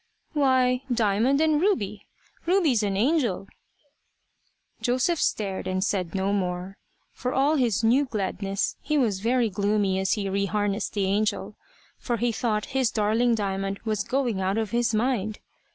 "Why Diamond and Ruby. Ruby's an angel." Joseph stared and said no more. For all his new gladness, he was very gloomy as he re harnessed the angel, for he thought his darling Diamond was going out of his mind.